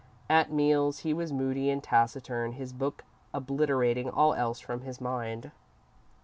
At meals he was moody and taciturn, his book obliterating all else from his mind.